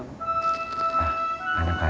nunggu aja kan